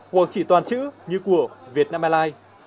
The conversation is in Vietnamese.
hoặc chỉ toàn chữ như của việt mla